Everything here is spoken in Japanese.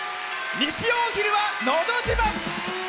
日曜お昼は「のど自慢」。